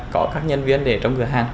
có các nhân viên để trong cửa hàng